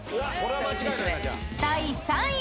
［第３位］